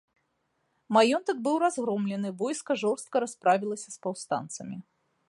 Маёнтак быў разгромлены, войска жорстка расправілася з паўстанцамі.